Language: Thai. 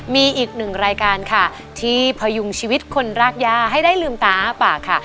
มีอีกหนึ่งรายการค่ะที่พยุงชีวิตคนรากย่าให้ได้ลืมตาอ้าปากค่ะ